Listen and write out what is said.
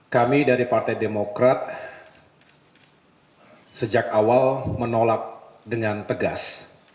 kami dari partai demokrat sejak awal menolak dengan tegas